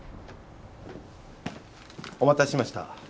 お待たせしました。